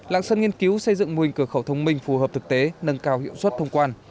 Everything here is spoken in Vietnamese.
lạng sơn nghiên cứu xây dựng mô hình cửa khẩu thông minh phù hợp thực tế nâng cao hiệu suất thông quan